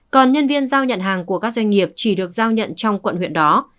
còn nhân viên giao nhận hàng của các doanh nghiệp chỉ được giao nhận trong quận huyện đó